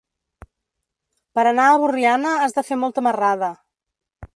Per anar a Borriana has de fer molta marrada.